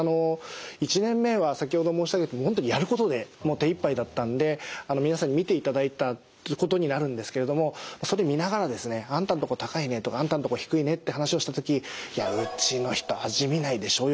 １年目は先ほど申し上げた本当にやることで手いっぱいだったんで皆さんに見ていただいたってことになるんですけれどもそれ見ながらですねあんたんとこ高いねとかあんたんとこ低いねって話をした時「いやうちの人は味見ないでしょう